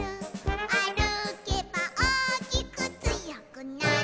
「あるけばおおきくつよくなる」